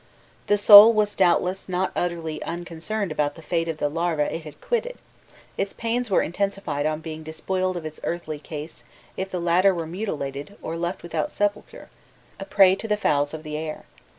The soul was doubtless not utterly unconcerned about the fate of the larva it had quitted: its pains were intensified on being despoiled of its earthly case if the latter were mutilated, or left without sepulture, a prey to the fowls, of the air.